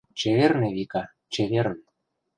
Чеверын, Эвика, чеверын.